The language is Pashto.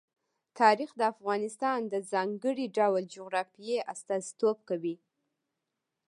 تاریخ د افغانستان د ځانګړي ډول جغرافیه استازیتوب کوي.